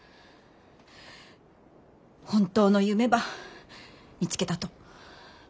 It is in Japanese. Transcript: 本当の夢ば見つけたと。